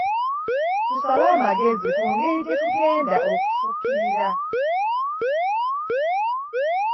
Tusale amagezi ku ngeri gyetugenda okufukirira.